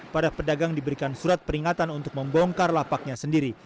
para pedagang diberikan surat peringatan untuk membongkar lapaknya sendiri